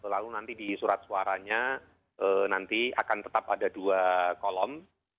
lalu nanti di surat suaranya nanti akan tetap ada dua kolom